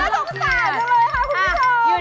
เราก็สะดุดับเลยค่ะคุณผู้ชม